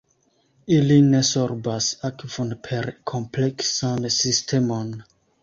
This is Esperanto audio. Ili ne sorbas akvon per kompleksan sistemon.